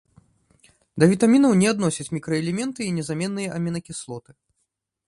Да вітамінаў не адносяць мікраэлементы і незаменныя амінакіслоты.